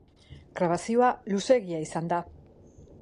Grabazioa luzeegia izan da.